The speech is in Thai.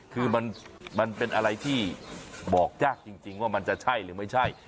คือมันเป็นอะไรที่บอกยากจริงว่ามันจะใช่หรือไม่ใช่